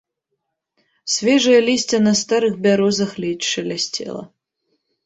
Свежае лісце на старых бярозах ледзь шалясцела.